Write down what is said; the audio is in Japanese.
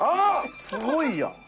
すごいやん。